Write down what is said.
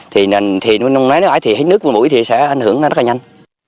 thì nói ngoài thì hết nước vừa mũi thì sẽ ảnh hưởng rất là nhanh